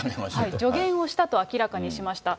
助言したと明らかにしました。